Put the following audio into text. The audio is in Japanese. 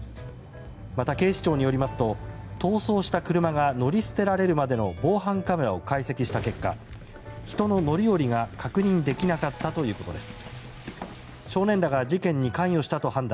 また、警視庁によりますと逃走した車が乗り捨てられるまでの防犯カメラを解析した結果人の乗り降りが確認できなかったということです。